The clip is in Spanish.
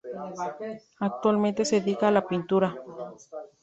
Actualmente se dedica a la pintura.